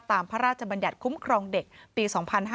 พระราชบัญญัติคุ้มครองเด็กปี๒๕๕๙